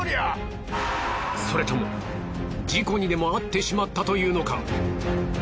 それとも事故にでも遭ってしまったというのか！？